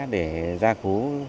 để gia cố